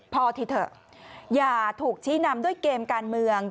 พอที่เถอะอย่าถูกชี้นำด้วยเกมการเมือง